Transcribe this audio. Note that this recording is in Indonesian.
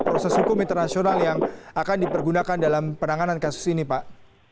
dan juga ada proses hukum internasional yang akan dipergunakan dalam perenanganan kasus ini pak